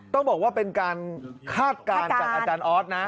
ต้องบอกว่าเป็นการคาดการณ์จากอาจารย์ออสนะ